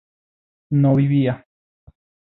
no vivía